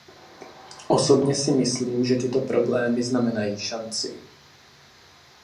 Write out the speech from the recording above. Osobně si myslím, že tyto problémy znamenají šanci.